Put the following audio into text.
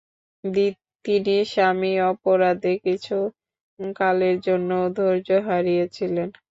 তিনি স্বামীর অপরাধে কিছুকালের জন্যেও ধৈর্য হারিয়েছিলেন।